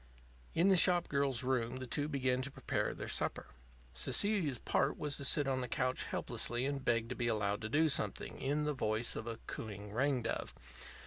In the shop girl's room the two began to prepare their supper. Cecilia's part was to sit on the couch helplessly and beg to be allowed to do something, in the voice of a cooing ring dove.